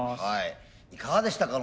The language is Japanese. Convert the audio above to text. いかがでしたか？